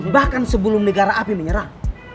bahkan sebelum negara api menyerang